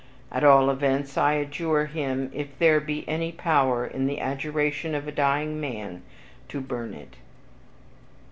At all events, I adjure him, if there be any power in the adjuration of a dying man, to burn it."